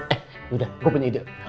eh udah gua punya ide